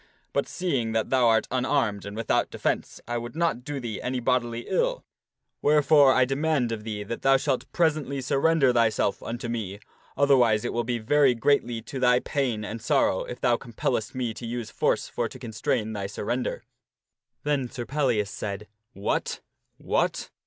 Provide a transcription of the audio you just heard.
But seeing that thou art unarmed and without defence, I would not do thee any bodily ill, wherefore I demand of thee that thou shalt presently 22O THE STORY OF SIR PELLIAS surrender thyself unto me, otherwise it will be very greatly to thy pain and sorrow if thou compellest me to use force for to constrain thy sur render." Then Sir Pellias said, " What ! what